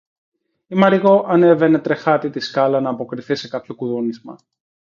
Η Μαριγώ ανέβαινε τρεχάτη τη σκάλα, ν' αποκριθεί σε κάποιο κουδούνισμα